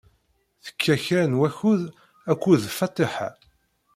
Tekka kra n wakud akked Fatiḥa.